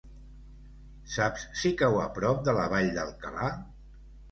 Saps si cau a prop de la Vall d'Alcalà?